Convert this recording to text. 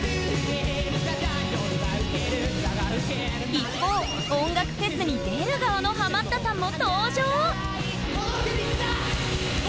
一方音楽フェスに出る側のハマったさんも登場！